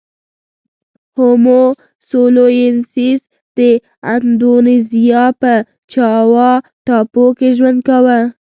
هومو سولوینسیس د اندونزیا په جاوا ټاپو کې ژوند کاوه.